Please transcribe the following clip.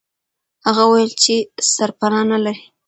هغه وویل چې سرپنا نه لري.